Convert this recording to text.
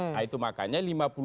nah itu makanya